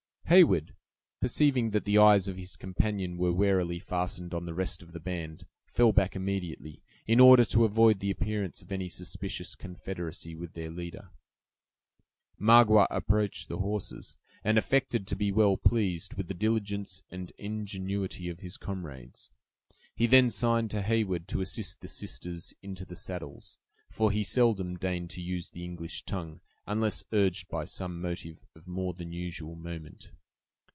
Heyward, perceiving that the eyes of his companion were warily fastened on the rest of the band, fell back immediately, in order to avoid the appearance of any suspicious confederacy with their leader. Magua approached the horses, and affected to be well pleased with the diligence and ingenuity of his comrades. He then signed to Heyward to assist the sisters into the saddles, for he seldom deigned to use the English tongue, unless urged by some motive of more than usual moment.